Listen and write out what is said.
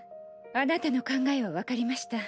あなたの考えは分かりました。